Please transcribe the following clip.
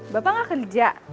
bapak ga kerja